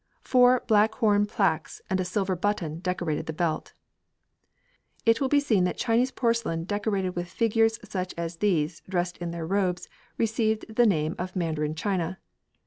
Four black horn plaques and a silver button decorated the belt. It will be seen that Chinese porcelain decorated with figures such as these dressed in their robes received the name of Mandarin china.